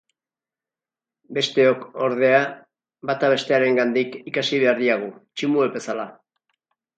Besteok, ordea, bata bestearengandik ikasi behar diagu, tximuek bezala.